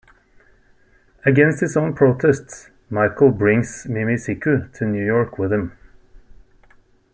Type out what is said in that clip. Against his own protests, Michael brings Mimi-Siku to New York with him.